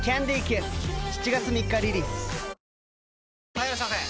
・はいいらっしゃいませ！